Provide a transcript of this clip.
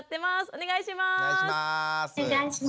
お願いします。